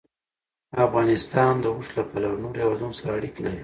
افغانستان د اوښ له پلوه له نورو هېوادونو سره اړیکې لري.